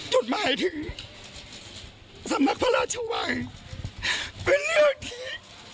จดหมายถึงสำนักพระราชวังเป็นเรื่องที่